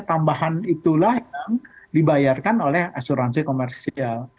tambahan itulah yang dibayarkan oleh asuransi komersial